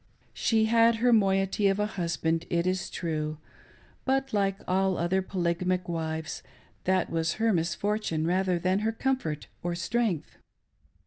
She had her moiety of a husband, it is true ; but, like all other polygamic wives, that was her misfortune rather than her comfort or strength.